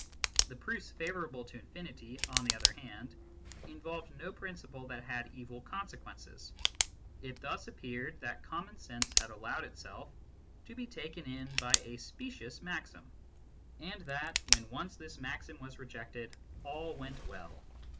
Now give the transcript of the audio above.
The proofs favourable to infinity, on the other hand, involved no principle that had evil consequences. It thus appeared that common sense had allowed itself to be taken in by a specious maxim, and that, when once this maxim was rejected, all went well.